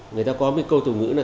người ta có một câu từ ngữ là